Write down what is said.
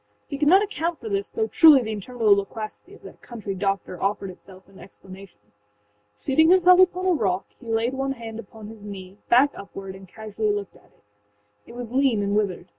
He could not account for this, though truly the interminable loquacity of that country doctor offered itself in explanation. Seating himself upon a rock, he laid one hand upon his knee, back upward, and casually looked at it. It was lean and withered.